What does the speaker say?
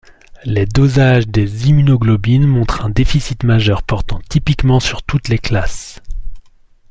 Les dosages des immunoglobulines montrent un déficit majeur portant typiquement sur toutes les classes.